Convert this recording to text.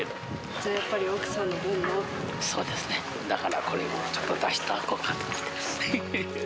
じゃあやっぱり、奥さんの分そうですね、だからこれをちょっと、出しておこうかと。